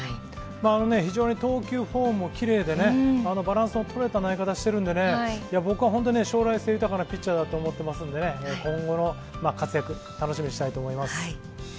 非常に投球フォームもきれいで、バランスの取れた投げ方をしているので、将来性豊かなピッチャーだと思っていますので、今後の活躍、楽しみにしたいと思います。